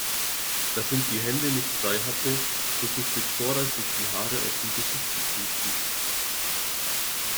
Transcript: Da sie die Hände nicht frei hatte, versuchte Zora sich die Haare aus dem Gesicht zu pusten.